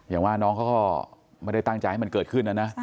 อย่างว่าน้องเขาก็ไม่ได้ตั้งใจให้มันเกิดขึ้นนะนะ